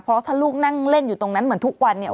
เพราะถ้าลูกนั่งเล่นอยู่ตรงนั้นเหมือนทุกวันเนี่ย